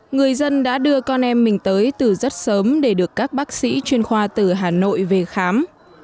người dân đã đưa con em mình tới từ rất sớm để được các bác sĩ chuyên khoa từ hà nội về khám